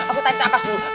aku tarik nafas dulu